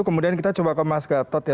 kemudian kita coba ke mas gatot ya